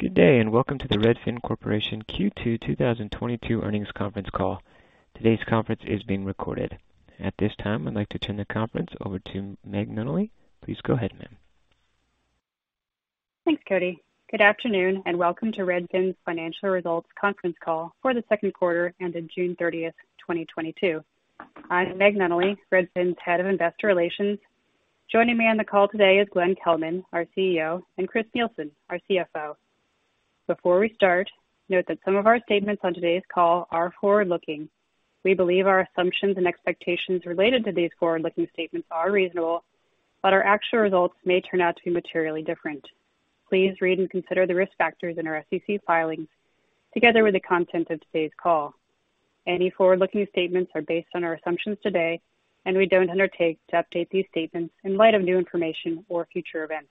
Good day, and welcome to the Redfin Corporation Q2 2022 earnings conference call. Today's conference is being recorded. At this time, I'd like to turn the conference over to Meg Nunnally. Please go ahead, ma'am. Thanks, Cody. Good afternoon, and welcome to Redfin's Financial Results conference call for the second quarter ending June 30, 2022. I'm Meg Nunnally, Redfin's Head of Investor Relations. Joining me on the call today is Glenn Kelman, our CEO, and Chris Nielsen, our CFO. Before we start, note that some of our statements on today's call are forward-looking. We believe our assumptions and expectations related to these forward-looking statements are reasonable, but our actual results may turn out to be materially different. Please read and consider the risk factors in our SEC filings, together with the content of today's call. Any forward-looking statements are based on our assumptions today, and we don't undertake to update these statements in light of new information or future events.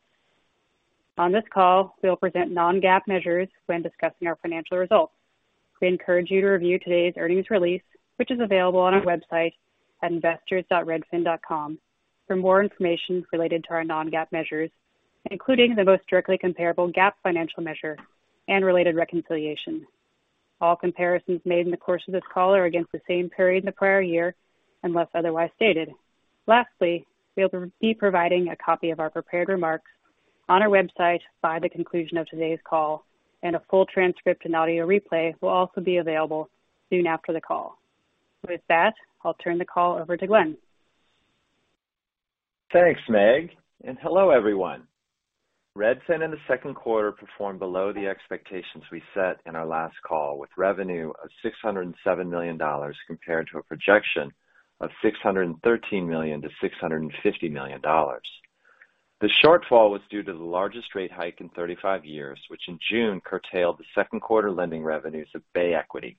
On this call, we'll present non-GAAP measures when discussing our financial results. We encourage you to review today's earnings release, which is available on our website at investors dot Redfin dot com for more information related to our non-GAAP measures, including the most directly comparable GAAP financial measure and related reconciliation. All comparisons made in the course of this call are against the same period the prior year, unless otherwise stated. Lastly, we'll be providing a copy of our prepared remarks on our website by the conclusion of today's call, and a full transcript and audio replay will also be available soon after the call. With that, I'll turn the call over to Glenn. Thanks, Meg, and hello, everyone. Redfin in the second quarter performed below the expectations we set in our last call, with revenue of $607 million compared to a projection of $613 million-$650 million. The shortfall was due to the largest rate hike in 35 years, which in June curtailed the second quarter lending revenues of Bay Equity,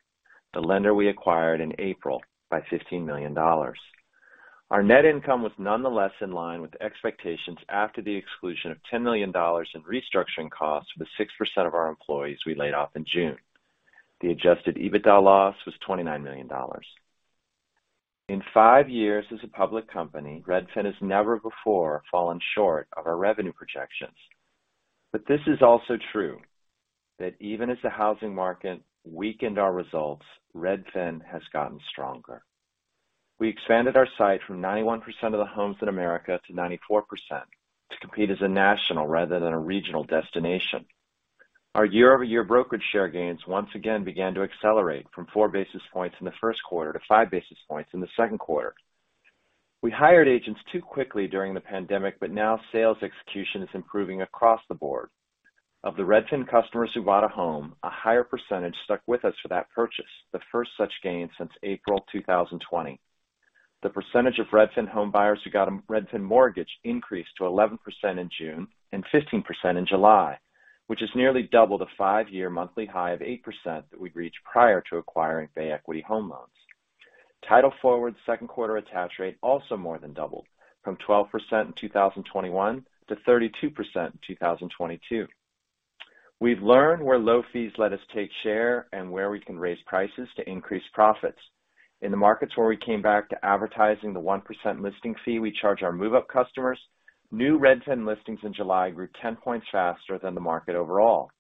the lender we acquired in April, by $15 million. Our net income was nonetheless in line with expectations after the exclusion of $10 million in restructuring costs for the 6% of our employees we laid off in June. The adjusted EBITDA loss was $29 million. In five years as a public company, Redfin has never before fallen short of our revenue projections. This is also true that even as the housing market weakened our results, Redfin has gotten stronger. We expanded our site from 91% of the homes in America to 94% to compete as a national rather than a regional destination. Our year-over-year brokerage share gains once again began to accelerate from 4 basis points in the first quarter to 5 basis points in the second quarter. We hired agents too quickly during the pandemic, but now sales execution is improving across the board. Of the Redfin customers who bought a home, a higher percentage stuck with us for that purchase, the first such gain since April 2020. The percentage of Redfin home buyers who got a Redfin mortgage increased to 11% in June and 15% in July, which is nearly double the five-year monthly high of 8% that we'd reached prior to acquiring Bay Equity Home Loans. Title Forward second quarter attach rate also more than doubled from 12% in 2021 to 32% in 2022. We've learned where low fees let us take share and where we can raise prices to increase profits. In the markets where we came back to advertising the 1% Listing Fee we charge our move-up customers, new Redfin listings in July grew 10 points faster than the market overall.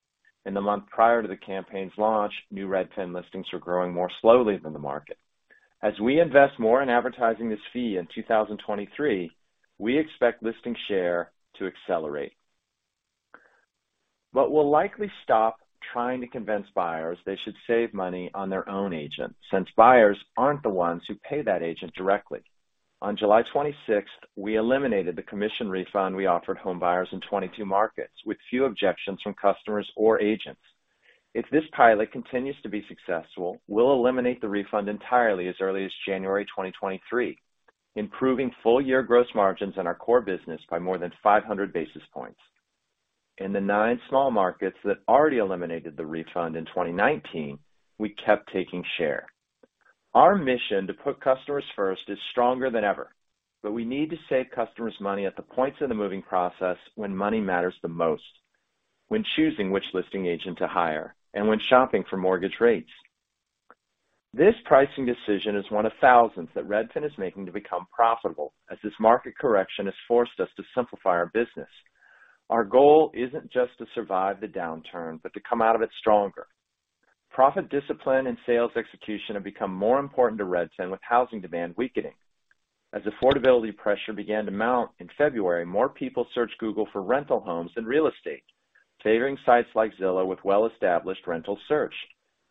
In the month prior to the campaign's launch, new Redfin listings were growing more slowly than the market. As we invest more in advertising this fee in 2023, we expect listing share to accelerate. We'll likely stop trying to convince buyers they should save money on their own agent, since buyers aren't the ones who pay that agent directly. On July 26, we eliminated the commission refund we offered home buyers in 22 markets, with few objections from customers or agents. If this pilot continues to be successful, we'll eliminate the refund entirely as early as January 2023, improving full-year gross margins in our core business by more than 500 basis points. In the nine small markets that already eliminated the refund in 2019, we kept taking share. Our mission to put customers first is stronger than ever, but we need to save customers money at the points in the moving process when money matters the most, when choosing which listing agent to hire, and when shopping for mortgage rates. This pricing decision is one of thousands that Redfin is making to become profitable, as this market correction has forced us to simplify our business. Our goal isn't just to survive the downturn, but to come out of it stronger. Profit discipline and sales execution have become more important to Redfin, with housing demand weakening. As affordability pressure began to mount in February, more people searched Google for rental homes than real estate, favoring sites like Zillow with well-established rental search.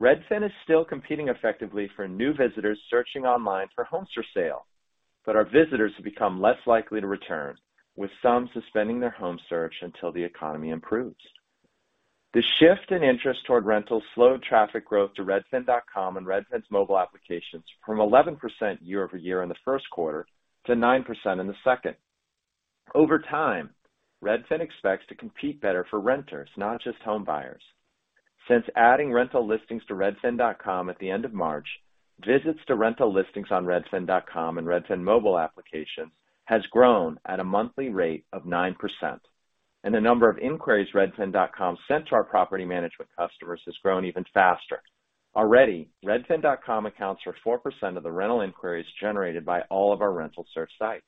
Redfin is still competing effectively for new visitors searching online for homes for sale, but our visitors have become less likely to return, with some suspending their home search until the economy improves. The shift in interest toward rentals slowed traffic growth to Redfin.com and Redfin's mobile applications from 11% year-over-year in the first quarter to 9% in the second. Over time, Redfin expects to compete better for renters, not just home buyers. Since adding rental listings to Redfin.com at the end of March, visits to rental listings on Redfin.com and Redfin mobile applications has grown at a monthly rate of 9%, and the number of inquiries Redfin.com sent to our property management customers has grown even faster. Already, Redfin.com accounts for 4% of the rental inquiries generated by all of our rental search sites.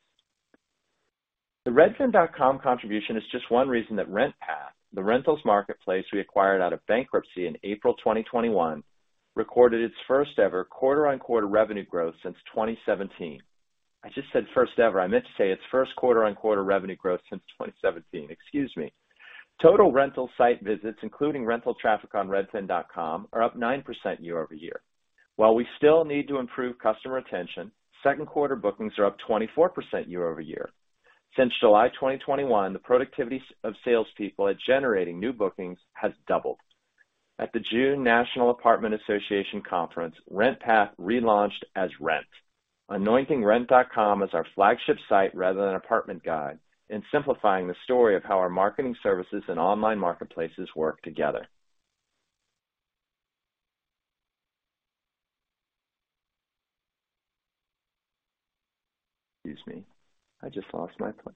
The Redfin.com contribution is just one reason that RentPath, the rentals marketplace we acquired out of bankruptcy in April 2021, recorded its first-ever quarter-on-quarter revenue growth since 2017. I just said first ever. I meant to say its first quarter-on-quarter revenue growth since 2017. Excuse me. Total rental site visits, including rental traffic on Redfin.com, are up 9% year-over-year. While we still need to improve customer retention, second quarter bookings are up 24% year-over-year. Since July 2021, the productivity of salespeople at generating new bookings has doubled. At the June National Apartment Association conference, RentPath relaunched as Rent, anointing Rent.com as our flagship site rather than Apartment Guide, and simplifying the story of how our marketing services and online marketplaces work together. Excuse me, I just lost my place.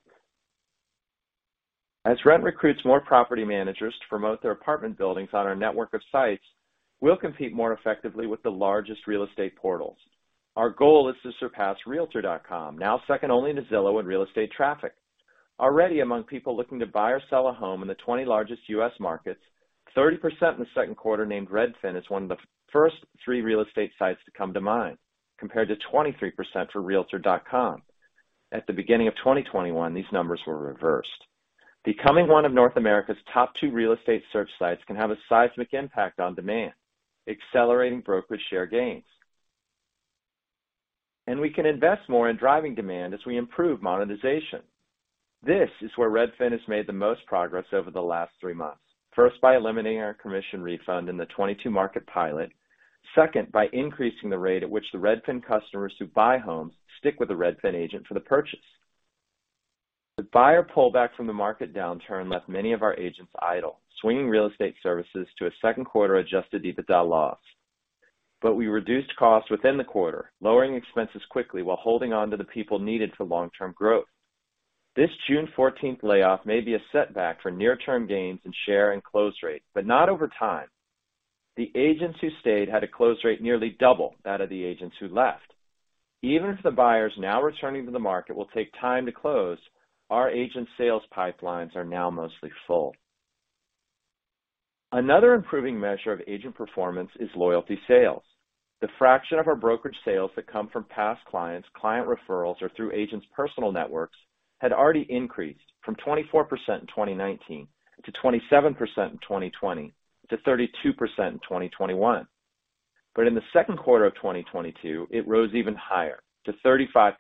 As Rent recruits more property managers to promote their apartment buildings on our network of sites, we'll compete more effectively with the largest real estate portals. Our goal is to surpass Realtor.com, now second only to Zillow in real estate traffic. Already among people looking to buy or sell a home in the 20 largest U.S. markets, 30% in the second quarter named Redfin as one of the first three real estate sites to come to mind, compared to 23% for Realtor.com. At the beginning of 2021, these numbers were reversed. Becoming one of North America's top two real estate search sites can have a seismic impact on demand, accelerating brokerage share gains. We can invest more in driving demand as we improve monetization. This is where Redfin has made the most progress over the last three months. First, by eliminating our commission refund in the 22 market pilot. Second, by increasing the rate at which the Redfin customers who buy homes stick with a Redfin agent for the purchase. The buyer pullback from the market downturn left many of our agents idle, swinging real estate services to a second quarter adjusted EBITDA loss. We reduced costs within the quarter, lowering expenses quickly while holding on to the people needed for long-term growth. This June 14 layoff may be a setback for near-term gains in share and close rate, but not over time. The agents who stayed had a close rate nearly double that of the agents who left. Even if the buyers now returning to the market will take time to close, our agent sales pipelines are now mostly full. Another improving measure of agent performance is loyalty sales. The fraction of our brokerage sales that come from past clients, client referrals, or through agents' personal networks had already increased from 24% in 2019 to 27% in 2020 to 32% in 2021. In the second quarter of 2022, it rose even higher, to 35%.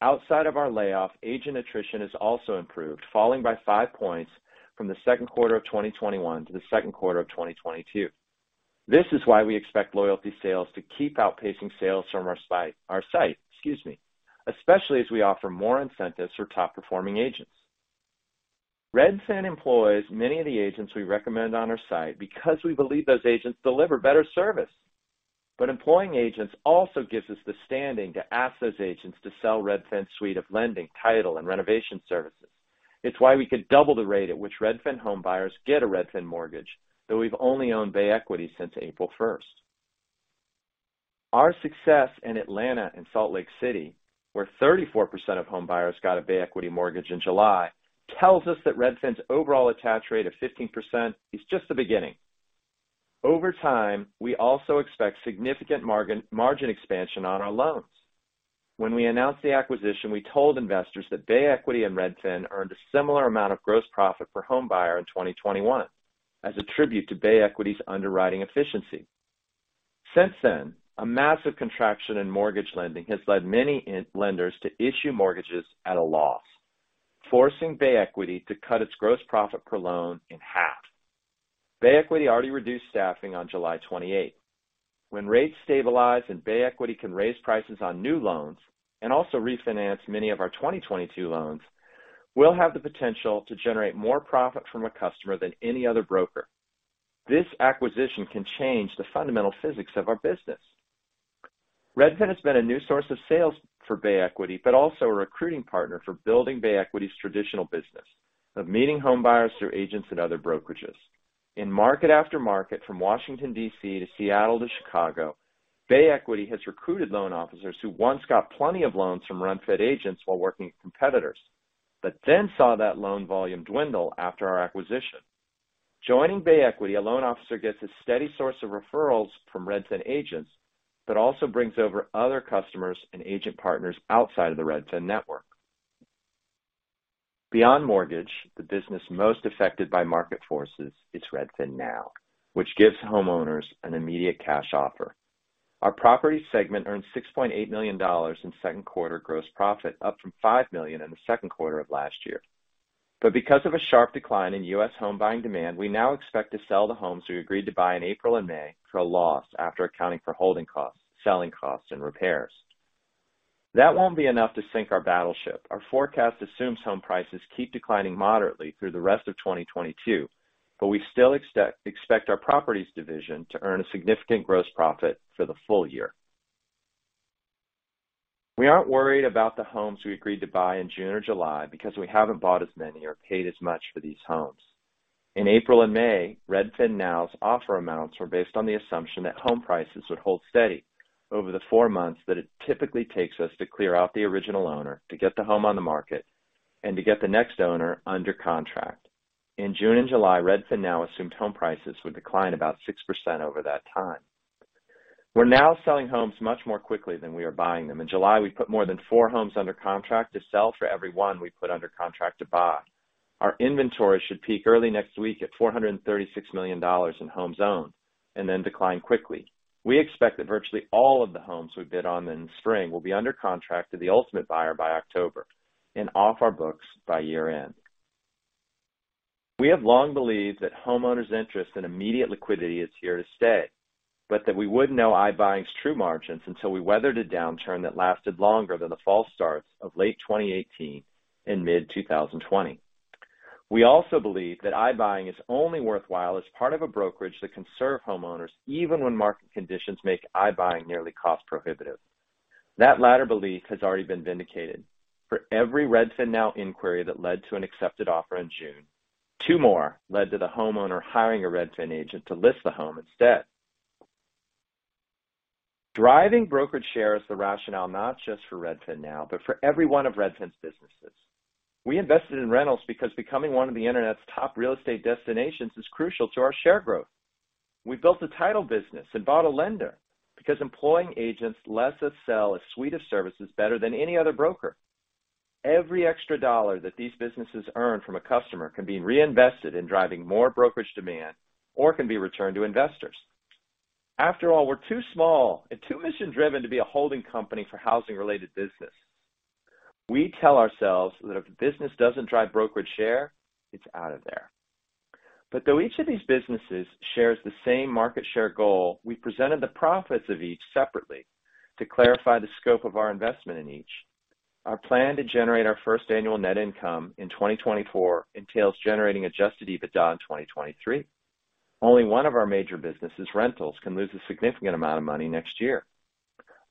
Outside of our layoff, agent attrition has also improved, falling by five points from the second quarter of 2021 to the second quarter of 2022. This is why we expect loyalty sales to keep outpacing sales from our site, excuse me, especially as we offer more incentives for top-performing agents. Redfin employs many of the agents we recommend on our site because we believe those agents deliver better service. Employing agents also gives us the standing to ask those agents to sell Redfin's suite of lending, title, and renovation services. It's why we could double the rate at which Redfin home buyers get a Redfin mortgage, though we've only owned Bay Equity since April 1. Our success in Atlanta and Salt Lake City, where 34% of home buyers got a Bay Equity mortgage in July, tells us that Redfin's overall attach rate of 15% is just the beginning. Over time, we also expect significant margin expansion on our loans. When we announced the acquisition, we told investors that Bay Equity and Redfin earned a similar amount of gross profit per home buyer in 2021 as a tribute to Bay Equity's underwriting efficiency. Since then, a massive contraction in mortgage lending has led many online lenders to issue mortgages at a loss, forcing Bay Equity to cut its gross profit per loan in half. Bay Equity already reduced staffing on July 28. When rates stabilize and Bay Equity can raise prices on new loans and also refinance many of our 2022 loans, we'll have the potential to generate more profit from a customer than any other broker. This acquisition can change the fundamental physics of our business. Redfin has been a new source of sales for Bay Equity, but also a recruiting partner for building Bay Equity's traditional business of meeting home buyers through agents and other brokerages. In market after market, from Washington, D.C., to Seattle to Chicago, Bay Equity has recruited loan officers who once got plenty of loans from Redfin agents while working with competitors, but then saw that loan volume dwindle after our acquisition. Joining Bay Equity, a loan officer gets a steady source of referrals from Redfin agents, but also brings over other customers and agent partners outside of the Redfin network. Beyond mortgage, the business most affected by market forces is RedfinNow, which gives homeowners an immediate cash offer. Our property segment earned $6.8 million in second quarter gross profit, up from $5 million in the second quarter of last year. Because of a sharp decline in U.S. home buying demand, we now expect to sell the homes we agreed to buy in April and May for a loss after accounting for holding costs, selling costs, and repairs. That won't be enough to sink our battleship. Our forecast assumes home prices keep declining moderately through the rest of 2022, but we still expect our properties division to earn a significant gross profit for the full year. We aren't worried about the homes we agreed to buy in June or July because we haven't bought as many or paid as much for these homes. In April and May, RedfinNow's offer amounts were based on the assumption that home prices would hold steady over the four months that it typically takes us to clear out the original owner to get the home on the market and to get the next owner under contract. In June and July, RedfinNow assumed home prices would decline about 6% over that time. We're now selling homes much more quickly than we are buying them. In July, we put more than four homes under contract to sell for every one we put under contract to buy. Our inventory should peak early next week at $436 million in homes owned and then decline quickly. We expect that virtually all of the homes we bid on in spring will be under contract to the ultimate buyer by October and off our books by year-end. We have long believed that homeowners' interest in immediate liquidity is here to stay, but that we wouldn't know iBuying's true margins until we weathered a downturn that lasted longer than the false starts of late 2018 and mid-2020. We also believe that iBuying is only worthwhile as part of a brokerage that can serve homeowners even when market conditions make iBuying nearly cost-prohibitive. That latter belief has already been vindicated. For every RedfinNow inquiry that led to an accepted offer in June, two more led to the homeowner hiring a Redfin agent to list the home instead. Driving brokerage share is the rationale not just for RedfinNow, but for every one of Redfin's businesses. We invested in rentals because becoming one of the Internet's top real estate destinations is crucial to our share growth. We built a title business and bought a lender because employing agents lets us sell a suite of services better than any other broker. Every extra dollar that these businesses earn from a customer can be reinvested in driving more brokerage demand or can be returned to investors. After all, we're too small and too mission-driven to be a holding company for housing-related business. We tell ourselves that if business doesn't drive brokerage share, it's out of there. Though each of these businesses shares the same market share goal, we presented the profits of each separately to clarify the scope of our investment in each. Our plan to generate our first annual net income in 2024 entails generating adjusted EBITDA in 2023. Only one of our major businesses, rentals, can lose a significant amount of money next year.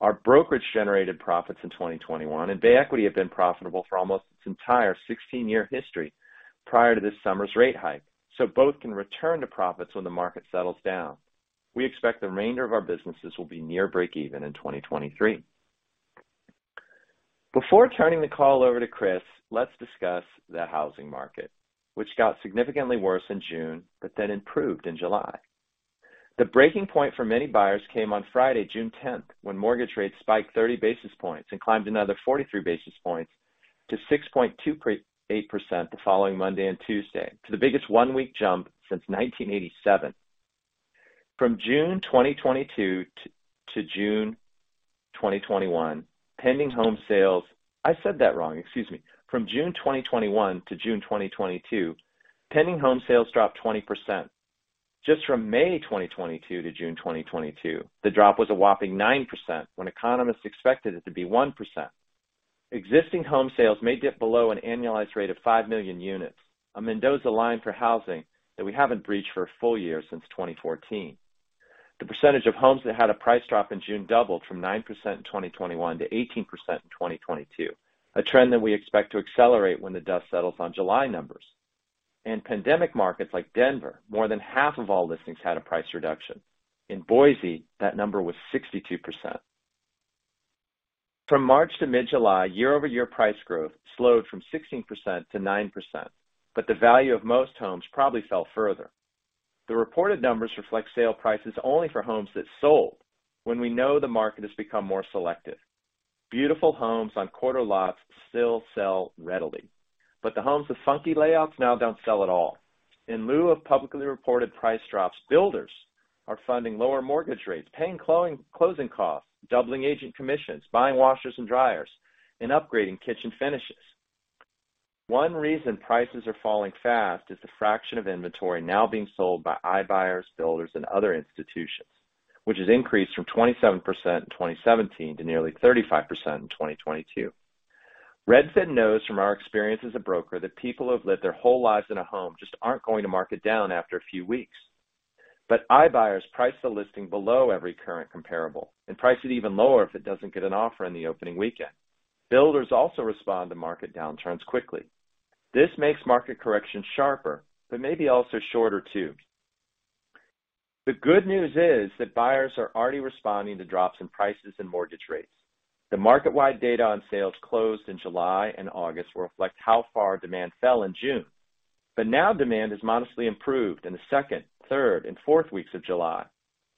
Our brokerage-generated profits in 2021 and Bay Equity have been profitable for almost its entire 16-year history prior to this summer's rate hike, so both can return to profits when the market settles down. We expect the remainder of our businesses will be near breakeven in 2023. Before turning the call over to Chris, let's discuss the housing market, which got significantly worse in June but then improved in July. The breaking point for many buyers came on Friday, June 10, when mortgage rates spiked 30 basis points and climbed another 43 basis points to 6.28% the following Monday and Tuesday, to the biggest one-week jump since 1987. From June 2021 to June 2022, pending home sales dropped 20%. Just from May 2022 to June 2022, the drop was a whopping 9% when economists expected it to be 1%. Existing home sales may dip below an annualized rate of 5 million units, a Mendoza line for housing that we haven't breached for a full year since 2014. The percentage of homes that had a price drop in June doubled from 9% in 2021 to 18% in 2022, a trend that we expect to accelerate when the dust settles on July numbers. In pandemic markets like Denver, more than half of all listings had a price reduction. In Boise, that number was 62%. From March to mid-July, year-over-year price growth slowed from 16%-9%, but the value of most homes probably fell further. The reported numbers reflect sale prices only for homes that sold when we know the market has become more selective. Beautiful homes on quarter lots still sell readily, but the homes with funky layouts now don't sell at all. In lieu of publicly reported price drops, builders are funding lower mortgage rates, paying closing costs, doubling agent commissions, buying washers and dryers, and upgrading kitchen finishes. One reason prices are falling fast is the fraction of inventory now being sold by iBuyers, builders, and other institutions, which has increased from 27% in 2017 to nearly 35% in 2022. Redfin knows from our experience as a broker that people who have lived their whole lives in a home just aren't going to mark it down after a few weeks. iBuyers price the listing below every current comparable and price it even lower if it doesn't get an offer in the opening weekend. Builders also respond to market downturns quickly. This makes market corrections sharper, but maybe also shorter too. The good news is that buyers are already responding to drops in prices and mortgage rates. The market-wide data on sales closed in July and August reflect how far demand fell in June. Now demand has modestly improved in the second, third, and fourth weeks of July.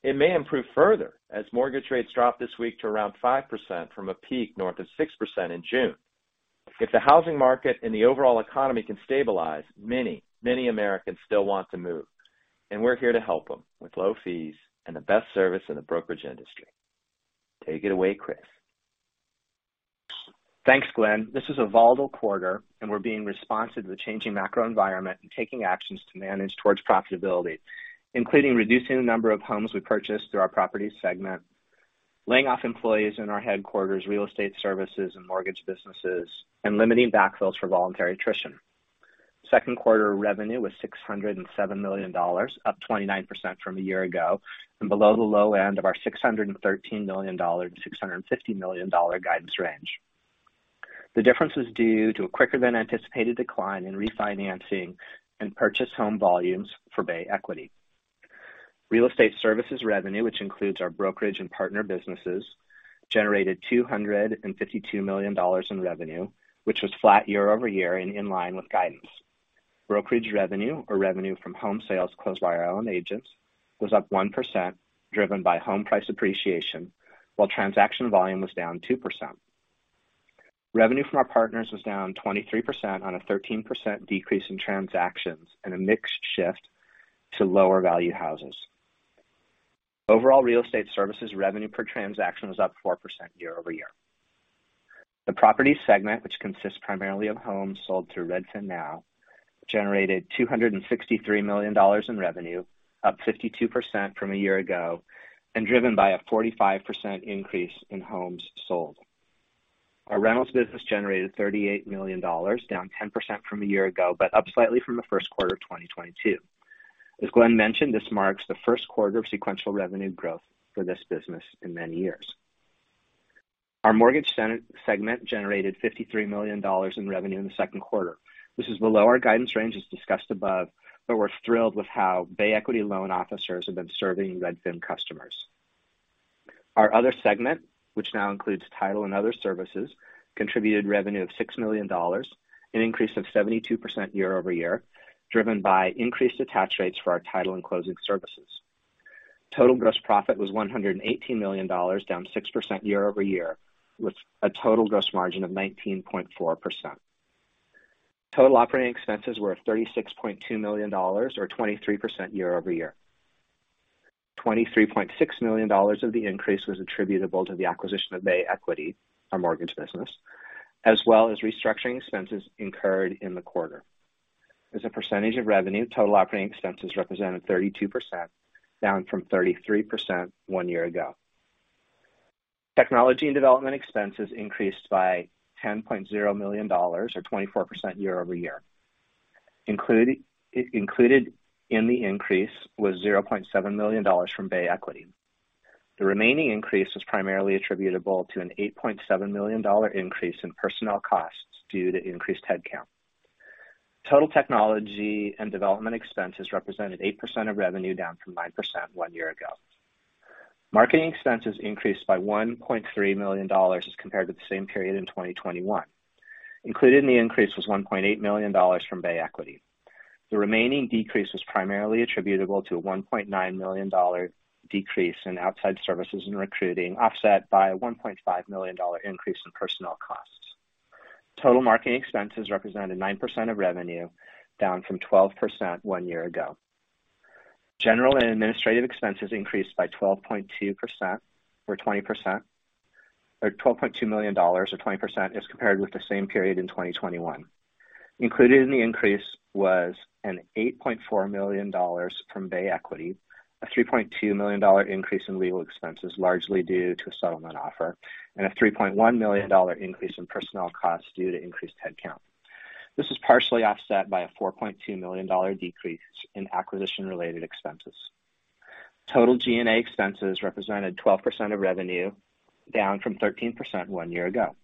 It may improve further as mortgage rates dropped this week to around 5% from a peak north of 6% in June. If the housing market and the overall economy can stabilize, many, many Americans still want to move, and we're here to help them with low fees and the best service in the brokerage industry. Take it away, Chris. Thanks, Glenn. This was a volatile quarter, and we're being responsive to the changing macro environment and taking actions to manage towards profitability, including reducing the number of homes we purchased through our properties segment, laying off employees in our headquarters real estate services and mortgage businesses, and limiting backfills for voluntary attrition. Second quarter revenue was $607 million, up 29% from a year ago, and below the low end of our $613 million-$650 million guidance range. The difference was due to a quicker than anticipated decline in refinancing and purchase home volumes for Bay Equity. Real estate services revenue, which includes our brokerage and partner businesses, generated $252 million in revenue, which was flat year-over-year and in line with guidance. Brokerage revenue or revenue from home sales closed by our own agents was up 1%, driven by home price appreciation, while transaction volume was down 2%. Revenue from our partners was down 23% on a 13% decrease in transactions and a mixed shift to lower value houses. Overall, real estate services revenue per transaction was up 4% year-over-year. The property segment, which consists primarily of homes sold through RedfinNow, generated $263 million in revenue, up 52% from a year ago, and driven by a 45% increase in homes sold. Our rentals business generated $38 million, down 10% from a year ago, but up slightly from the first quarter of 2022. As Glenn mentioned, this marks the first quarter of sequential revenue growth for this business in many years. Our mortgage segment generated $53 million in revenue in the second quarter. This is below our guidance range, as discussed above, but we're thrilled with how Bay Equity loan officers have been serving Redfin customers. Our other segment, which now includes title and other services, contributed revenue of $6 million, an increase of 72% year-over-year, driven by increased attach rates for our title and closing services. Total gross profit was $118 million, down 6% year-over-year, with a total gross margin of 19.4%. Total operating expenses were $36.2 million, up 23% year-over-year. $23.6 million of the increase was attributable to the acquisition of Bay Equity, our mortgage business, as well as restructuring expenses incurred in the quarter. As a percentage of revenue, total operating expenses represented 32%, down from 33% one year ago. Technology and development expenses increased by $10.0 million, or 24% year-over-year. Included in the increase was $0.7 million from Bay Equity. The remaining increase was primarily attributable to an $8.7 million dollar increase in personnel costs due to increased headcount. Total technology and development expenses represented 8% of revenue, down from 9% one year ago. Marketing expenses increased by $1.3 million as compared to the same period in 2021. Included in the increase was $1.8 million from Bay Equity. The remaining decrease was primarily attributable to a $1.9 million dollar decrease in outside services and recruiting, offset by a $1.5 million dollar increase in personnel costs. Total marketing expenses represented 9% of revenue, down from 12% one year ago. General and administrative expenses increased by 12.2% or 20%, or $12.2 million or 20% as compared with the same period in 2021. Included in the increase was $8.4 million from Bay Equity, a $3.2 million increase in legal expenses, largely due to a settlement offer, and a $3.1 million increase in personnel costs due to increased headcount. This was partially offset by a $4.2 million decrease in acquisition-related expenses. Total G&A expenses represented 12% of revenue, down from 13% one year ago.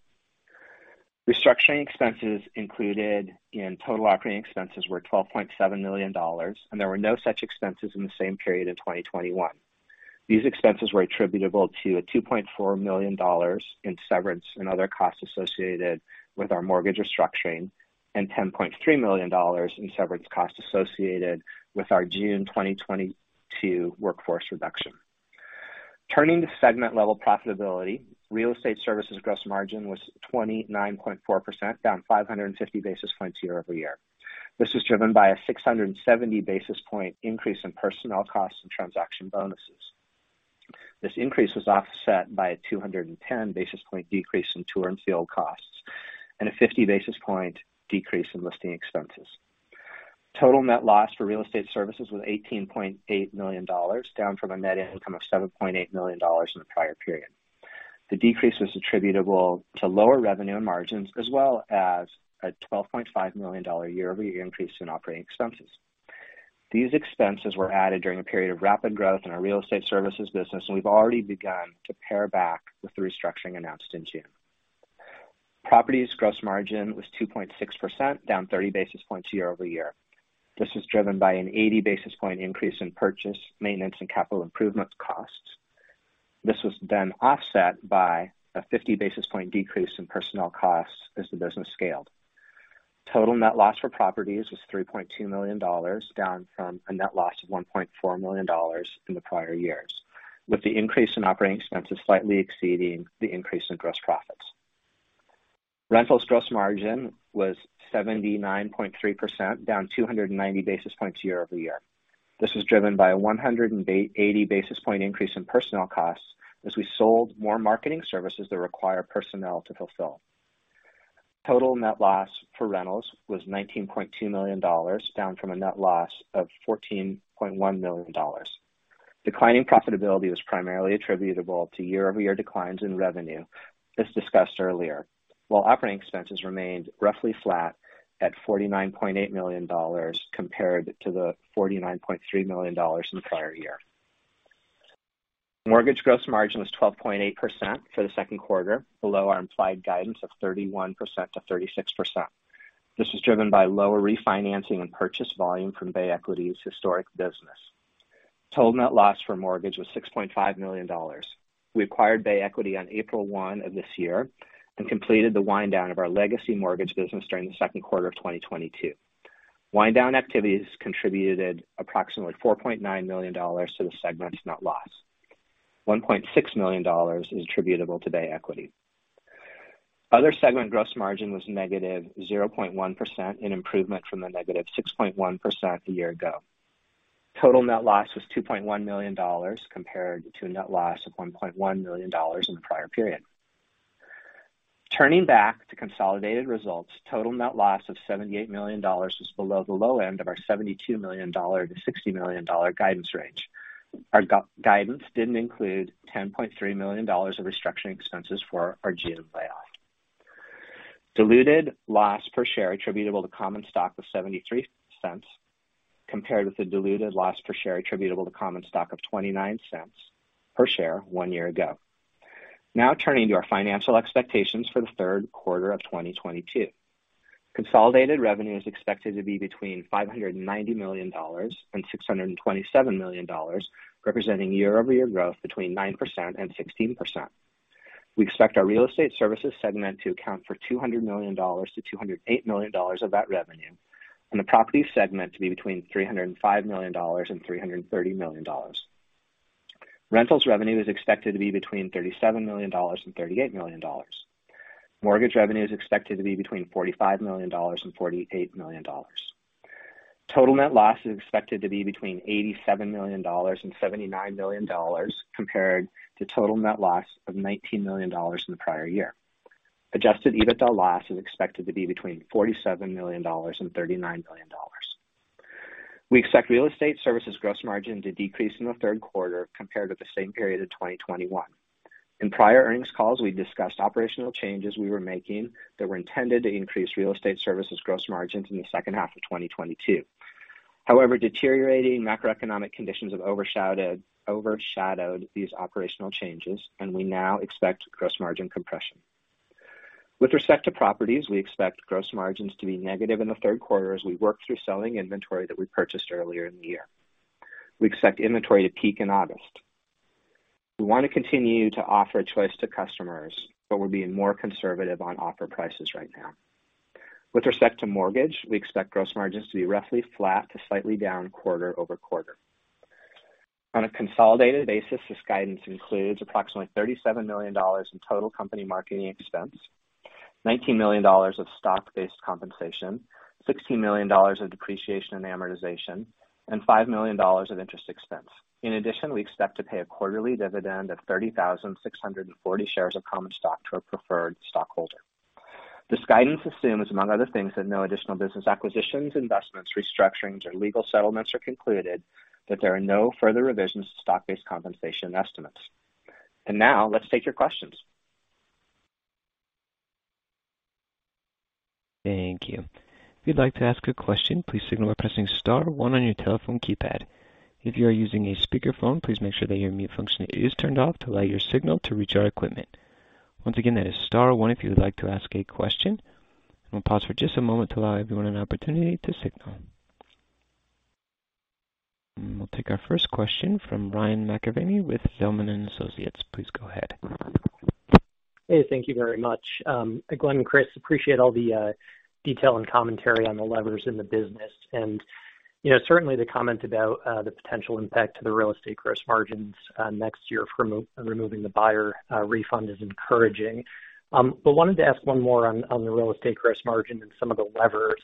Restructuring expenses included in total operating expenses were $12.7 million, and there were no such expenses in the same period in 2021. These expenses were attributable to $2.4 million in severance and other costs associated with our mortgage restructuring and $10.3 million in severance costs associated with our June 2022 workforce reduction. Turning to segment level profitability, real estate services gross margin was 29.4%, down 550 basis points year-over-year. This was driven by a 670 basis point increase in personnel costs and transaction bonuses. This increase was offset by a 210 basis point decrease in tour and field costs and a 50 basis point decrease in listing expenses. Total net loss for real estate services was $18.8 million, down from a net income of $7.8 million in the prior period. The decrease was attributable to lower revenue and margins as well as a $12.5 million year-over-year increase in operating expenses. These expenses were added during a period of rapid growth in our real estate services business, and we've already begun to pare back with the restructuring announced in June. Properties gross margin was 2.6%, down 30 basis points year-over-year. This was driven by an 80 basis point increase in purchase, maintenance, and capital improvements costs. This was then offset by a 50 basis point decrease in personnel costs as the business scaled. Total net loss for properties was $3.2 million, down from a net loss of $1.4 million in the prior years, with the increase in operating expenses slightly exceeding the increase in gross profits. Rentals gross margin was 79.3%, down 290 basis points year-over-year. This was driven by a 180 basis point increase in personnel costs as we sold more marketing services that require personnel to fulfill. Total net loss for rentals was $19.2 million, down from a net loss of $14.1 million. Declining profitability was primarily attributable to year-over-year declines in revenue as discussed earlier, while operating expenses remained roughly flat at $49.8 million compared to the $49.3 million in the prior year. Mortgage gross margin was 12.8% for the second quarter, below our implied guidance of 31%-36%. This is driven by lower refinancing and purchase volume from Bay Equity's historic business. Total net loss for mortgage was $6.5 million. We acquired Bay Equity on April 1 of this year and completed the wind down of our legacy mortgage business during the second quarter of 2022. Wind down activities contributed approximately $4.9 million to the segment's net loss. $1.6 million is attributable to Bay Equity. Other segment gross margin was -0.1%, an improvement from the -6.1% a year ago. Total net loss was $2.1 million compared to a net loss of $1.1 million in the prior period. Turning back to consolidated results, total net loss of $78 million was below the low end of our $72 million-$60 million guidance range. Our guidance didn't include $10.3 million of restructuring expenses for our G&A layoff. Diluted loss per share attributable to common stock of $0.73, compared with the diluted loss per share attributable to common stock of $0.29 per share one year ago. Now turning to our financial expectations for the third quarter of 2022. Consolidated revenue is expected to be between $590 million and $627 million, representing year-over-year growth between 9% and 16%. We expect our real estate services segment to account for $200 million-$208 million of that revenue, and the property segment to be between $305 million and $330 million. Rentals revenue is expected to be between $37 million and $38 million. Mortgage revenue is expected to be between $45 million and $48 million. Total net loss is expected to be between $87 million and $79 million compared to total net loss of $19 million in the prior year. Adjusted EBITDA loss is expected to be between $47 million and $39 million. We expect real estate services gross margin to decrease in the third quarter compared with the same period of 2021. In prior earnings calls, we discussed operational changes we were making that were intended to increase real estate services gross margins in the second half of 2022. However, deteriorating macroeconomic conditions have overshadowed these operational changes, and we now expect gross margin compression. With respect to properties, we expect gross margins to be negative in the third quarter as we work through selling inventory that we purchased earlier in the year. We expect inventory to peak in August. We want to continue to offer a choice to customers, but we're being more conservative on offer prices right now. With respect to mortgage, we expect gross margins to be roughly flat to slightly down quarter-over-quarter. On a consolidated basis, this guidance includes approximately $37 million in total company marketing expense, $19 million of stock-based compensation, $16 million of depreciation and amortization, and $5 million of interest expense. In addition, we expect to pay a quarterly dividend of 30,600 shares of common stock to our preferred stockholder. This guidance assumes, among other things, that no additional business acquisitions, investments, restructurings, or legal settlements are concluded, that there are no further revisions to stock-based compensation estimates. Now let's take your questions. Thank you. If you'd like to ask a question, please signal by pressing star one on your telephone keypad. If you are using a speakerphone, please make sure that your mute function is turned off to allow your signal to reach our equipment. Once again, that is star one if you would like to ask a question. I'm going to pause for just a moment to allow everyone an opportunity to signal. We'll take our first question from Ryan McKeveny with Zelman & Associates. Please go ahead. Hey, thank you very much. Glenn and Chris, appreciate all the detail and commentary on the levers in the business. You know, certainly the comment about the potential impact to the real estate gross margins next year removing the buyer refund is encouraging. Wanted to ask one more on the real estate gross margin and some of the levers.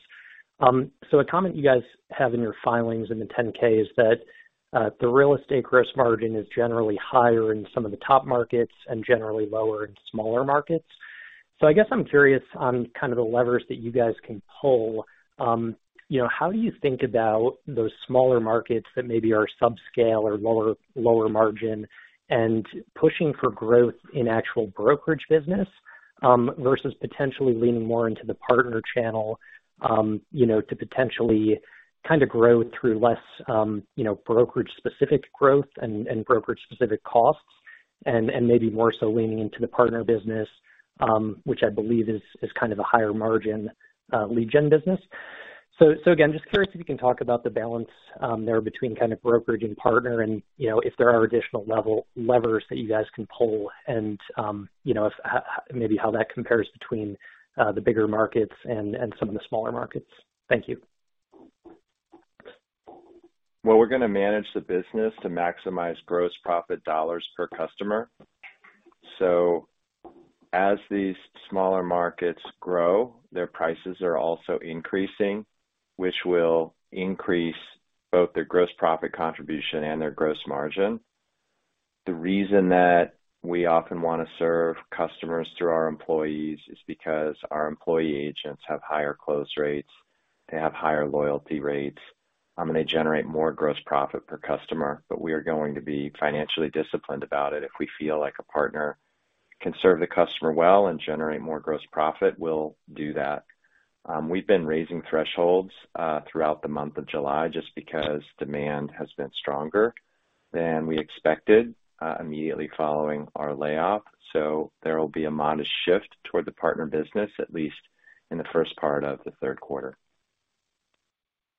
A comment you guys have in your filings in the Form 10-K is that the real estate gross margin is generally higher in some of the top markets and generally lower in smaller markets. I guess I'm curious on kind of the levers that you guys can pull. You know, how do you think about those smaller markets that maybe are subscale or lower margin and pushing for growth in actual brokerage business, versus potentially leaning more into the partner channel, you know, to potentially kind of grow through less, you know, brokerage-specific growth and brokerage-specific costs and maybe more so leaning into the partner business, which I believe is kind of a higher margin lead gen business. Again, just curious if you can talk about the balance there between kind of brokerage and partner and, you know, if there are additional levers that you guys can pull and, you know, if how maybe how that compares between the bigger markets and some of the smaller markets. Thank you. Well, we're going to manage the business to maximize gross profit dollars per customer. As these smaller markets grow, their prices are also increasing, which will increase both their gross profit contribution and their gross margin. The reason that we often want to serve customers through our employees is because our employee agents have higher close rates, they have higher loyalty rates, and they generate more gross profit per customer. We are going to be financially disciplined about it. If we feel like a partner can serve the customer well and generate more gross profit, we'll do that. We've been raising thresholds throughout the month of July just because demand has been stronger than we expected immediately following our layoff. There will be a modest shift toward the partner business, at least in the first part of the third quarter.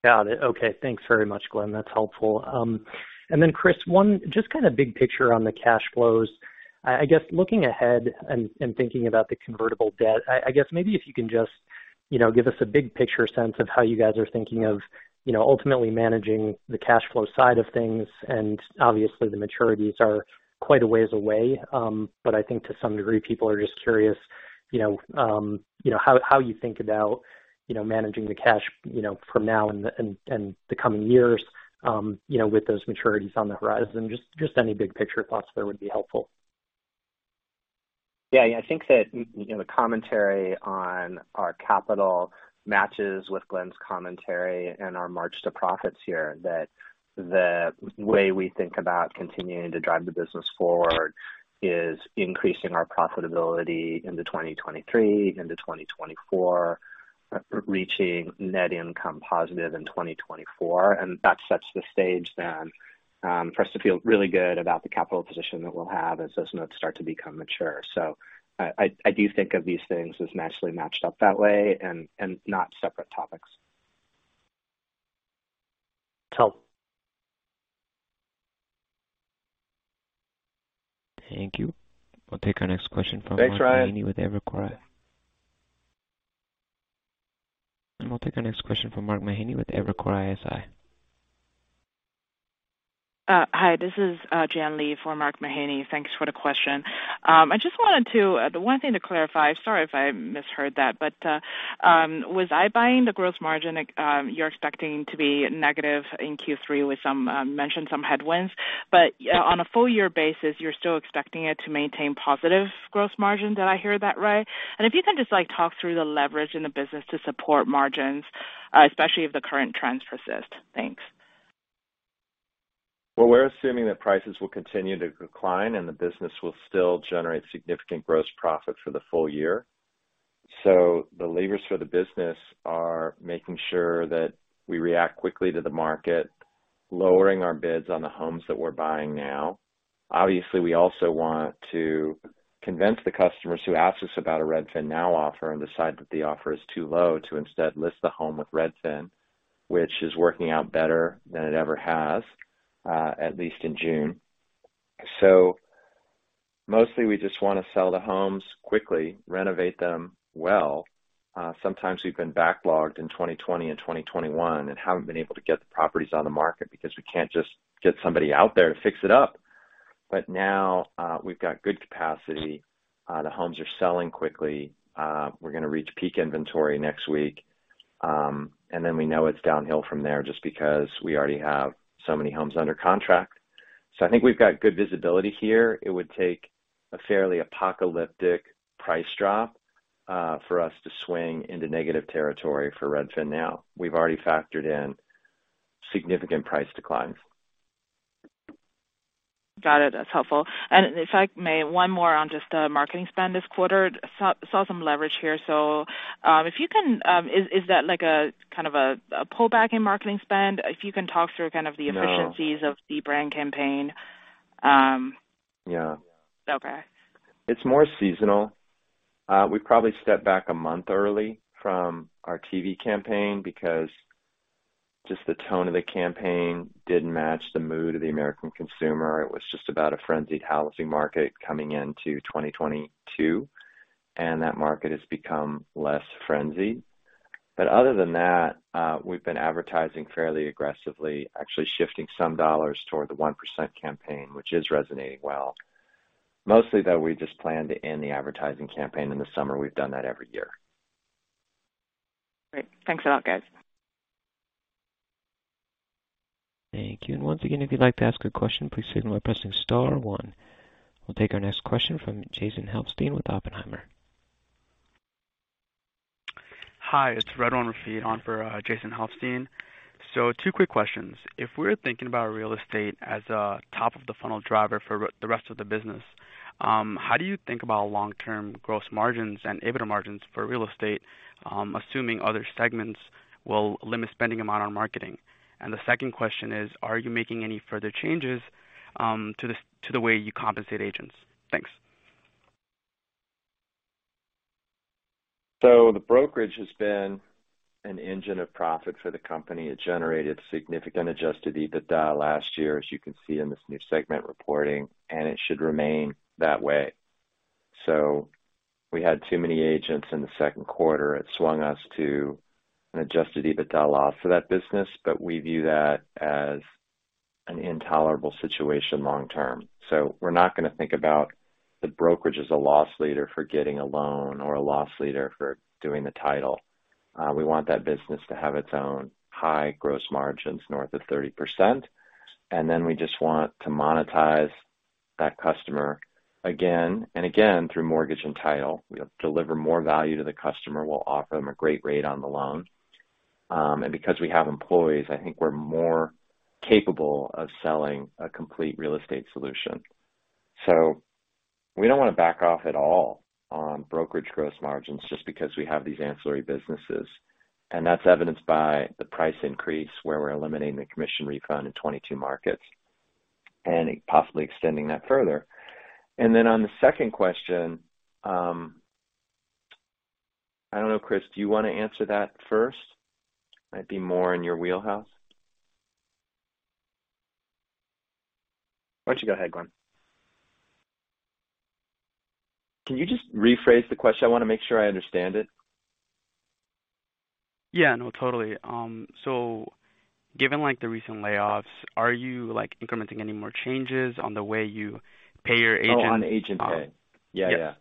Got it. Okay. Thanks very much, Glenn. That's helpful. And then Chris, one just kind of big picture on the cash flows. I guess looking ahead and thinking about the convertible debt, I guess maybe if you can just, you know, give us a big picture sense of how you guys are thinking of, you know, ultimately managing the cash flow side of things. Obviously the maturities are quite a ways away, but I think to some degree people are just curious, you know, how you think about, you know, managing the cash, you know, from now and the coming years, you know, with those maturities on the horizon. Just any big picture thoughts there would be helpful. Yeah. I think that, you know, the commentary on our capital matches with Glenn's commentary and our march to profits here, that the way we think about continuing to drive the business forward is increasing our profitability into 2023, into 2024, reaching net income positive in 2024. That sets the stage then, for us to feel really good about the capital position that we'll have as those notes start to become mature. I do think of these things as nicely matched up that way and not separate topics. Help. Thank you. We'll take our next question from. Thanks, Ryan. With Evercore. We'll take our next question from Mark Mahaney with Evercore ISI. Hi, this is Jian Li for Mark Mahaney. Thanks for the question. The one thing to clarify, sorry if I misheard that, but was iBuying the gross margin you're expecting to be negative in Q3 with some mentioned headwinds, but on a full year basis, you're still expecting it to maintain positive gross margin. Did I hear that right? If you can just, like, talk through the leverage in the business to support margins, especially if the current trends persist. Thanks. Well, we're assuming that prices will continue to decline and the business will still generate significant gross profit for the full year. The levers for the business are making sure that we react quickly to the market, lowering our bids on the homes that we're buying now. Obviously, we also want to convince the customers who ask us about a RedfinNow offer and decide that the offer is too low to instead list the home with Redfin, which is working out better than it ever has, at least in June. Mostly we just wanna sell the homes quickly, renovate them well. Sometimes we've been backlogged in 2020 and 2021 and haven't been able to get the properties on the market because we can't just get somebody out there to fix it up. Now, we've got good capacity. The homes are selling quickly. We're gonna reach peak inventory next week. We know it's downhill from there just because we already have so many homes under contract. I think we've got good visibility here. It would take a fairly apocalyptic price drop for us to swing into negative territory for RedfinNow. We've already factored in significant price declines. Got it. That's helpful. If I may, one more on just the marketing spend this quarter. Saw some leverage here. Is that like a kind of a pullback in marketing spend? If you can talk through kind of the No. Efficiencies of the brand campaign. Yeah. Okay. It's more seasonal. We probably stepped back a month early from our TV campaign because just the tone of the campaign didn't match the mood of the American consumer. It was just about a frenzied housing market coming into 2022, and that market has become less frenzied. Other than that, we've been advertising fairly aggressively, actually shifting some dollars toward the 1% Campaign, which is resonating well. Mostly, though, we just plan to end the advertising campaign in the summer. We've done that every year. Great. Thanks a lot, guys. Thank you. Once again, if you'd like to ask a question, please signal by pressing star one. We'll take our next question from Jason Helfstein with Oppenheimer. Hi, it's [Ridwan Rafiq] on for Jason Helfstein. Two quick questions. If we're thinking about real estate as a top of the funnel driver for the rest of the business, how do you think about long-term gross margins and EBITDA margins for real estate, assuming other segments will limit spending amount on marketing? The second question is, are you making any further changes to the way you compensate agents? Thanks. The brokerage has been an engine of profit for the company. It generated significant adjusted EBITDA last year, as you can see in this new segment reporting, and it should remain that way. We had too many agents in the second quarter. It swung us to an adjusted EBITDA loss for that business, but we view that as an intolerable situation long term. We're not gonna think about the brokerage as a loss leader for getting a loan or a loss leader for doing the title. We want that business to have its own high gross margins north of 30%, and then we just want to monetize that customer again and again through mortgage and title. We'll deliver more value to the customer. We'll offer them a great rate on the loan. Because we have employees, I think we're more capable of selling a complete real estate solution. We don't wanna back off at all on brokerage gross margins just because we have these ancillary businesses. That's evidenced by the price increase, where we're eliminating the commission refund in 22 markets and possibly extending that further. On the second question, I don't know. Chris, do you wanna answer that first? Might be more in your wheelhouse. Why don't you go ahead, Glenn? Can you just rephrase the question? I wanna make sure I understand it. Yeah, no, totally. Given, like, the recent layoffs, are you, like, implementing any more changes on the way you pay your agents? Oh, on agent pay. Yes. Yeah, yeah.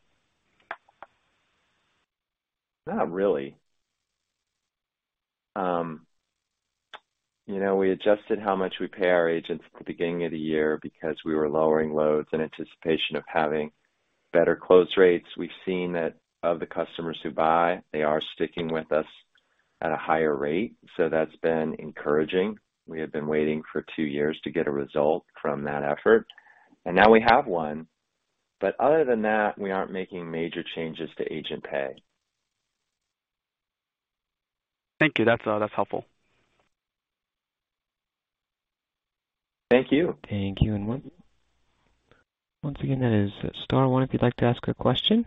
Not really. You know, we adjusted how much we pay our agents at the beginning of the year because we were lowering loads in anticipation of having better close rates. We've seen that of the customers who buy, they are sticking with us at a higher rate, so that's been encouraging. We have been waiting for two years to get a result from that effort, and now we have one. Other than that, we aren't making major changes to agent pay. Thank you. That's helpful. Thank you. Thank you. Once again, that is star one if you'd like to ask a question.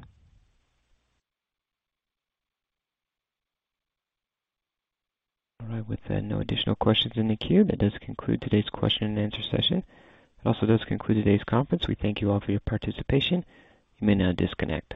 All right. With no additional questions in the queue, that does conclude today's question and answer session. It also does conclude today's conference. We thank you all for your participation. You may now disconnect.